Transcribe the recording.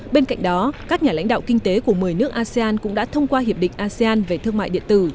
bên cạnh đó các nhà lãnh đạo kinh tế của một mươi nước asean cũng đã thông qua hiệp định asean về thương mại điện tử